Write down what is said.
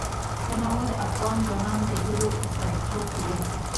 تنوع د افغان ځوانانو د هیلو استازیتوب کوي.